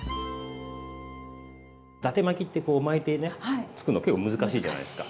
だて巻きってこう巻いてねつくるの結構難しいじゃないですか？